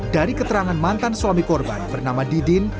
dari keterangan mantan suami korban bernama didin